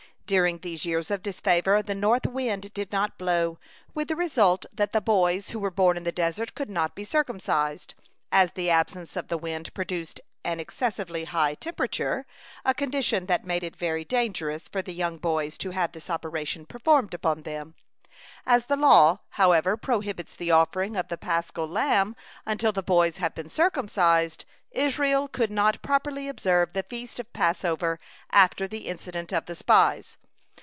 During these years of disfavor the north wind did not blow, with the result that the boys who were born in the desert could not be circumcised, as the absence of the wind produced and excessively high temperature, a condition that made it very dangerous for the young boys to have this operation performed upon them. As the law, however, prohibits the offering of the paschal lamb unless the boys have been circumcised, Israel could not properly observe the feast of Passover after the incident of the spies.